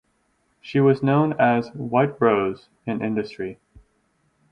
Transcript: She was known as "White Rose" in industry.